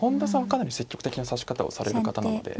かなり積極的な指し方をされる方なので。